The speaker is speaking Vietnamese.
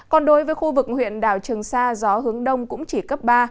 còn đối với khu vực huyện đảo trường sa gió hướng đông cũng chỉ cấp ba